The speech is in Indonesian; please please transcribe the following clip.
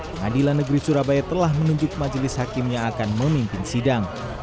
pengadilan negeri surabaya telah menunjuk majelis hakim yang akan memimpin sidang